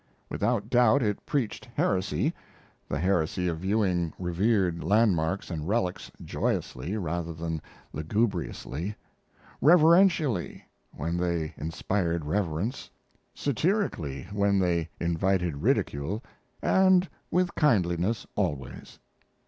Without doubt it preached heresy the heresy of viewing revered landmarks and relics joyously, rather than lugubriously; reverentially, when they inspired reverence; satirically, when they invited ridicule, and with kindliness always.